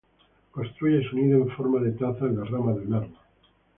Construye su nido en forma de taza en la rama de un árbol.